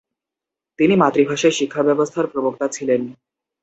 তিনি মাতৃভাষায় শিক্ষাব্যবস্থার প্রবক্তা ছিলেন ।